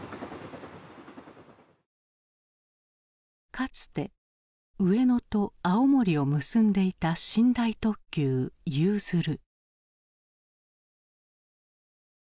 かつて上野と青森を結んでいた寝台特急ゆうづる。